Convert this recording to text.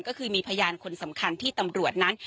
ก็คือมีพยานคนสำคัญที่ตำรวจนั้น